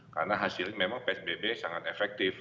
karena hasilnya memang psbb sangat efektif